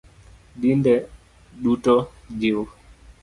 Dinde duto jiw